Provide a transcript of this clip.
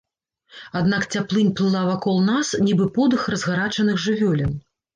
Аднак цяплынь плыла вакол нас, нібы подых разгарачаных жывёлін.